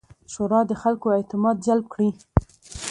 شورا د خلکو اعتماد جلب کړي.